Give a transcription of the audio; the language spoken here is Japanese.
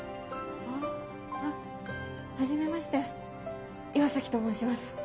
ああっはじめまして岩崎と申します。